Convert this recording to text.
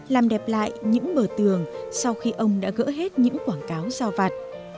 làm đẹp lại những bờ tường sau khi ông đã gỡ hết những quảng cáo giao vặt